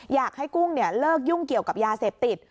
อยากให้กุ้งเนี่ยเลิกยุ่งเกี่ยวกับยาเสพติด